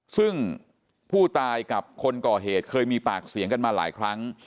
ซึ่งผู้ตายกับคนก่อเหตุเคยมีปากเสียงกันมาหลายครั้ง